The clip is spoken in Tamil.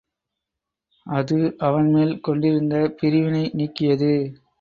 அது அவன்மேல் கொண்டிருந்த பரிவினை நீக்கியது.